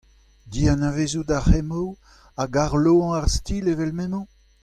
Dianavezout ar cʼhemmoù hag arloañ ar stil evel m’emañ ?